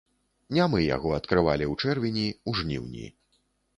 Не мы яго адкрывалі ў чэрвені, у жніўні.